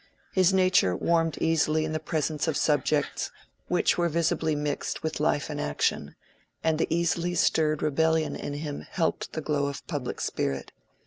His nature warmed easily in the presence of subjects which were visibly mixed with life and action, and the easily stirred rebellion in him helped the glow of public spirit.